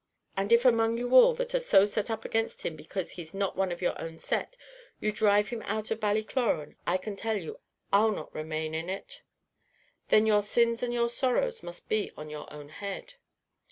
"And if among you all, that are so set up against him because he's not one of your own set, you dhrive him out of Ballycloran, I can tell you, I'll not remain in it!" "Then your sins and your sorrows must be on your own head!"